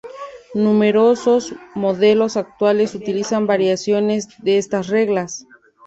Numerosos modelos actuales utilizan variaciones de estas reglas.